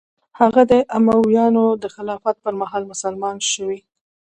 هغه د امویانو د خلافت پر مهال مسلمان شوی.